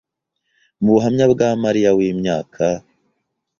Mu buhamya bwa Mariya w’imyaka